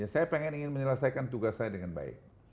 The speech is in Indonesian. saya ingin menyelesaikan tugas saya dengan baik